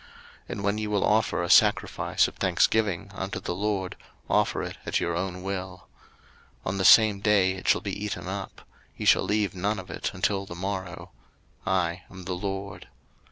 03:022:029 And when ye will offer a sacrifice of thanksgiving unto the LORD, offer it at your own will. 03:022:030 On the same day it shall be eaten up; ye shall leave none of it until the morrow: I am the LORD.